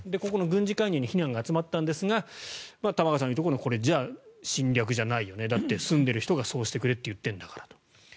ここの軍事介入に非難が集まったんですが玉川さんが言うところの侵略じゃないよねとだって、住んでる人がそうしてくれって言ってるんだから。